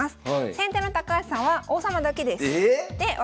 先手の高橋さんは王様だけです。